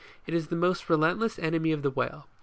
It is the most relentless enemy of the whale.